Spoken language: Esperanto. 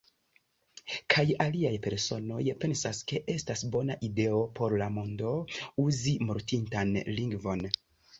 Kaj aliaj personoj pensas ke estas bona ideo por la mondo, uzi mortintan lingvon.